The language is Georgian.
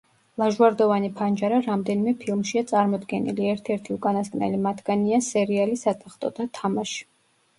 ლაჟვარდოვანი ფანჯარა რამდენიმე ფილმშია წარმოდგენილი, ერთ-ერთი უკანასკნელი მათგანია სერიალი სატახტოთა თამაში.